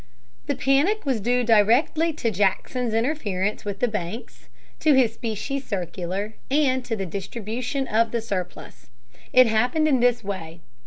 The Panic was due directly to Jackson's interference with the banks, to his Specie Circular, and to the distribution of the surplus. It happened in this way.